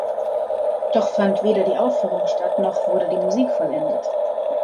Doch fand weder die Aufführung statt, noch wurde die Musik vollendet.